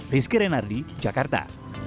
rizky renardi jakarta